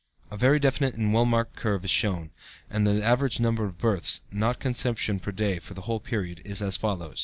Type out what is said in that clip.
A very definite and well marked curve is shown, and the average number of births (not conceptions) per day, for the whole period, is as follows: Jan.